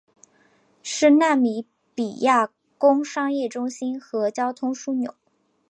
是纳米比亚工商业中心和交通枢纽。